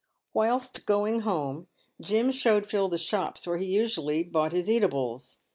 "Whilst going home, Jim showed Phil the shops where he usually bought his eatables.